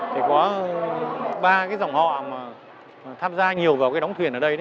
thì có ba cái dòng họ mà tham gia nhiều vào cái đóng thuyền ở đây